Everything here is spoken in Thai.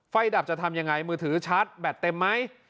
ดับจะทำยังไงมือถือชาร์จแบตเต็มไหม